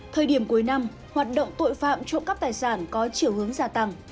thời điểm cuối năm hoạt động tội phạm trộm cắp tài sản có chiều hướng gia tăng